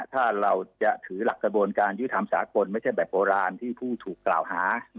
ถ้าเราจะถือหลักกระบวนการยุทธรรมสากลไม่ใช่แบบโบราณที่ผู้ถูกกล่าวหา